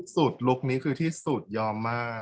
สูตรลุคนี้คือที่สูตรยอมมาก